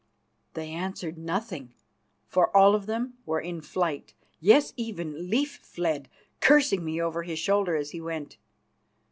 They answered nothing, for all of them were in flight. Yes, even Leif fled, cursing me over his shoulder as he went.